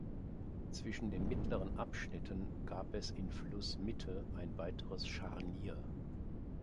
Zwischen den mittleren Abschnitten gab es in Flussmitte ein weiteres "Scharnier".